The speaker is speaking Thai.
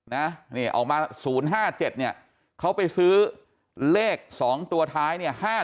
นี่ออกมา๐๕๗เขาไปซื้อเลข๒ตัวท้าย๕๗